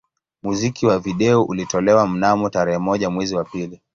Muziki wa video ulitolewa mnamo tarehe moja mwezi wa pili